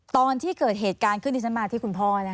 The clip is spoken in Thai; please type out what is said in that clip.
ตอนที่เกิดเหตุการณ์ขึ้นที่ฉันมาที่คุณพ่อ